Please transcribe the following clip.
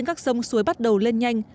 các sông suối bắt đầu lên nhanh